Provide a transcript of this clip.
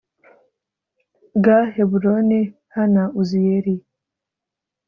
g heburoni h na uziyeli